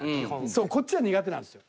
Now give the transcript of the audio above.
そうこっちが苦手なんですよ。